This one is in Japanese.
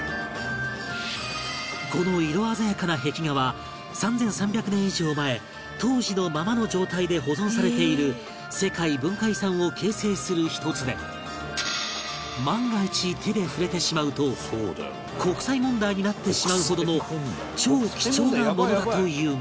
この色鮮やかな壁画は３３００年以上前当時のままの状態で保存されている世界文化遺産を形成する１つで万が一手で触れてしまうと国際問題になってしまうほどの超貴重なものだというが